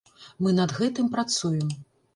Мы над гэтым працуем.